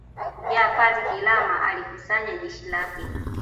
Shujaa Pazi Kilama alikusanya jeshi lake